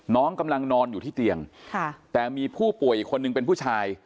น้องกำลังนอนอยู่ที่เตียงแต่มีผู้ป่วยอีกคนนึงเป็นผู้ชาย